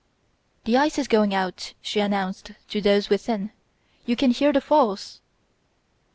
"The ice is going out," she announced to those within. "You can hear the falls."